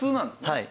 はい。